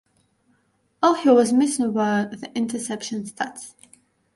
All he was missing were the interception stats.